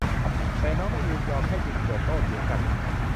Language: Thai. แต่น้องไม่ยินยอมให้จึงเกิดโต้เถียงกัน